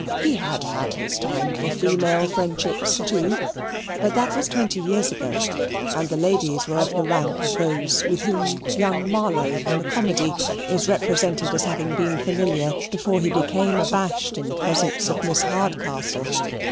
He had had his time for female friendships too, but that was twenty years ago, and the ladies were of the rank of those with whom Young Marlow in the comedy is represented as having been familiar before he became abashed in the presence of Miss Hardcastle.